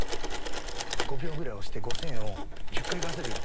５秒ぐらい押して５，０００円を１０回稼げば５万。